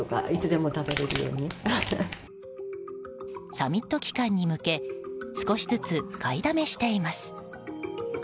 サミット期間に向け少しずつ買いだめしています。